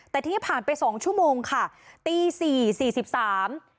แต่ที่ผ่านไปสองชั่วโมงค่ะตีสี่สี่สิบสาม